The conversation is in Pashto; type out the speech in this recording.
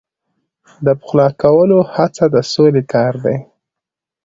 د پخلا کولو هڅه د سولې کار دی.